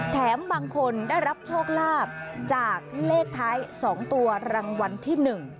แถมบางคนได้รับโชคลาภจากเลขท้าย๒ตัวรางวัลที่๑